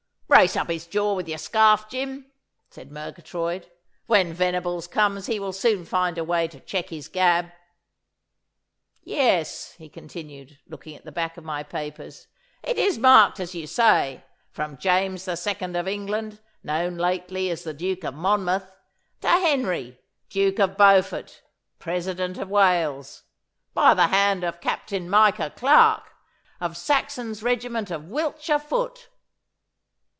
'Brace up his jaw with your scarf, Jim,' said Murgatroyd. 'When Venables comes he will soon find a way to check his gab. Yes,' he continued, looking at the back of my papers, 'it is marked, as you say, "From James the Second of England, known lately as the Duke of Monmouth, to Henry Duke of Beaufort, President of Wales, by the hand of Captain Micah Clarke, of Saxon's regiment of Wiltshire foot."